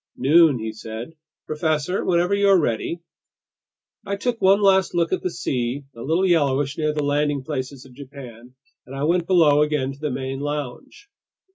"Noon," he said. "Professor, whenever you're ready. ..." I took one last look at the sea, a little yellowish near the landing places of Japan, and I went below again to the main lounge.